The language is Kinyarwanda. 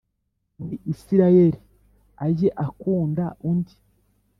Muri Isirayeli ajye akunda undi